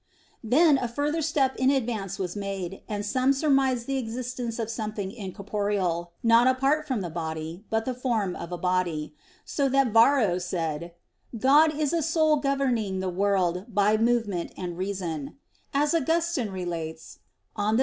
Then a further step in advance was made, and some surmised the existence of something incorporeal, not apart from the body, but the form of a body; so that Varro said, "God is a soul governing the world by movement and reason," as Augustine relates (De Civ.